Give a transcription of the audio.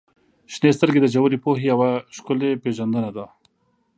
• شنې سترګې د ژورې پوهې یوه ښکلې پیژندنه ده.